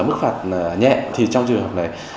mức phạt nhẹ thì trong trường hợp này